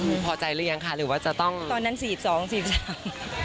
พอใจหรือยังค่ะหรือว่าจะต้องตอนนั้นสี่สองสี่สาม